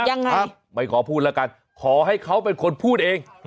ยังไงครับไม่ขอพูดแล้วกันขอให้เขาเป็นคนพูดเอง